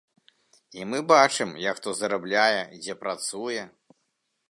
І мы бачым, як хто зарабляе, дзе працуе.